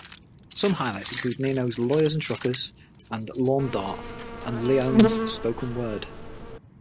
Some highlights include Neno's "Lawyers and Truckers" and "Lawn Dart", and Leone's "Spoken Word.